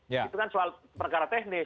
itu kan soal perkara teknis